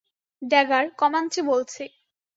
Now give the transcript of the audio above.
Dagger, Comanche বলছি।